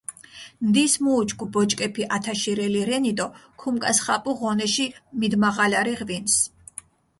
ნდის მუ უჩქუ ბოჭკეფი აშათირელი რენი დო ქუმკასხაპუ ღონეში მიდმაღალარი ღვინს.